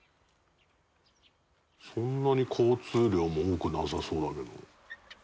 「そんなに交通量も多くなさそうだけど」